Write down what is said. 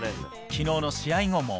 きのうの試合後も。